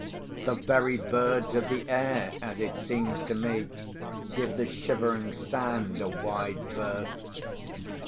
The very birds of the air, as it seems to me, give the Shivering Sand a wide berth.